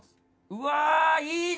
うわいいね。